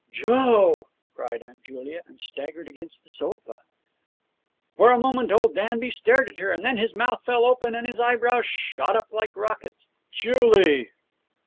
'Joe!' cried Aunt Julia, and staggered against the sofa. For a moment old Danby stared at her, and then his mouth fell open and his eyebrows shot up like rockets. 'Julie!'